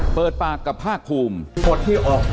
เปิดปากกับภาคภูมิ